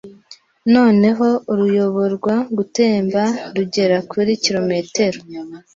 noneho ruyoborwa gutemba rugera kuri kilometero